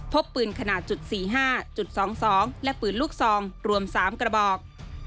พบปืนขนาดจุด๔๕๒๒และปืนลูกซองรวม๓กระบอก